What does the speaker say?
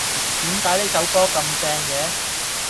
點解呢首歌咁撚正嘅？